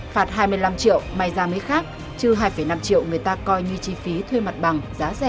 phạt hai mươi năm triệu may ra mới khác chứ hai năm triệu người ta coi như chi phí thuê mặt bằng giá rẻ khó dân đe